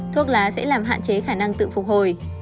thuốc lá sẽ làm hạn chế khả năng tự phục hồi